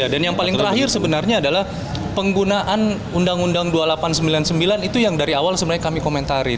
dan yang paling terakhir sebenarnya adalah penggunaan undang undang dua ribu delapan ratus sembilan puluh sembilan itu yang dari awal sebenarnya kami komentarin